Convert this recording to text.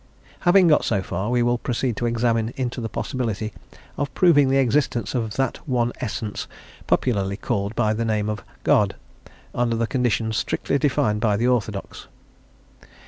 Having got so far, we will proceed to examine into the possibility of proving the existence of that one essence popularly called by the name of God, under the conditions strictly defined by the orthodox.